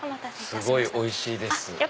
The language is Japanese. すごいおいしいです。